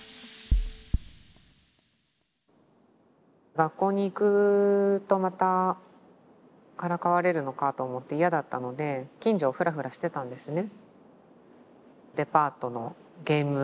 学校に行くとまたからかわれるのかと思って嫌だったので近所をふらふらしてたんですね。